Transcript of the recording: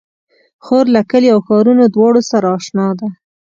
خور له کليو او ښارونو دواړو سره اشنا ده.